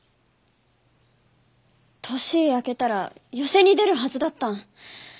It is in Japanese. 年明けたら寄席に出るはずだったん。